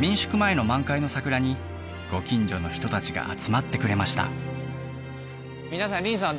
民宿前の満開の桜にご近所の人達が集まってくれました皆さん林さん